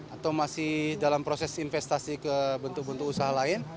atau masih dalam proses investasi ke bentuk bentuk usaha lain